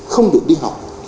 không được đi học